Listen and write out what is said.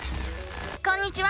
こんにちは！